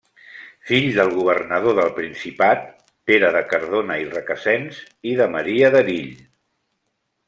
Fill del governador del Principat Pere de Cardona i Requesens i de Maria d'Erill.